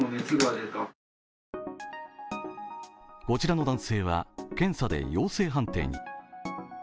こちらの男性は、検査で陽性判定に。